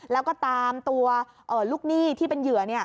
แล้วก็ตามตัวลูกหนี้ที่เป็นเหยื่อ